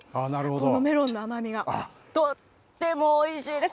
このメロンの甘みがとってもおいしいです。